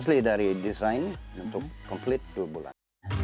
asli dari design untuk complete dua bulan